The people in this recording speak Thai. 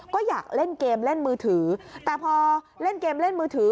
ก็อยากเล่นเกมเล่นมือถือแต่พอเล่นเกมเล่นมือถือ